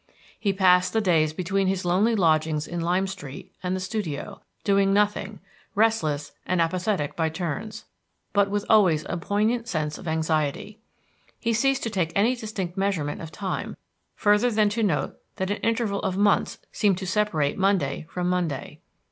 He passed the days between his lonely lodgings in Lime Street and the studio, doing nothing, restless and apathetic by turns, but with always a poignant sense of anxiety. He ceased to take any distinct measurement of time further than to note that an interval of months seemed to separate Monday from Monday.